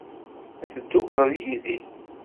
Ad teddukleḍ yid-i?